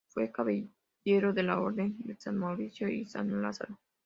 Fue caballero de la Orden de San Mauricio y San Lázaro.